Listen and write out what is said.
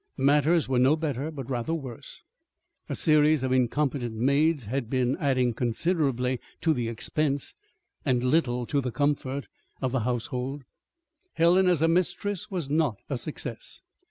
Matters were no better, but rather worse. A series of incompetent maids had been adding considerably to the expense and little to the comfort of the household. Helen, as a mistress, was not a success.